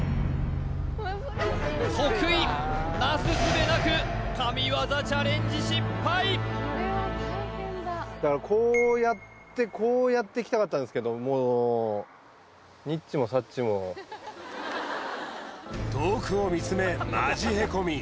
徳井なすすべなく神業チャレンジ失敗だからこうやってこうやっていきたかったんですけどもう遠くを見つめマジへこみ